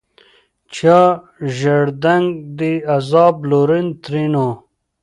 چا ژړېدنک دي عذاب لورن؛ ترينو